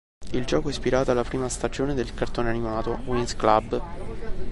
Il gioco è ispirato alla prima stagione del cartone animato "Winx Club".